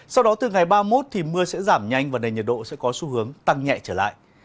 sau đó từ ngày ba mươi một thì mưa sẽ giảm nhanh và nền nhiệt độ sẽ có xu hướng tăng nhẹ trở lại